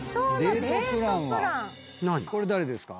これ誰ですか？